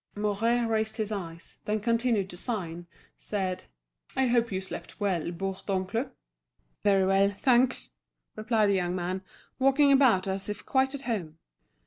Mouret raised his eyes, then continuing to sign, said: "I hope you slept well, Bourdoncle?" "Very well, thanks," replied the young man, walking about as if quite at home.